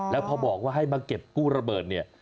แล้วพอบอกว่าให้มาเก็บกู้ระเบิดเนี่ย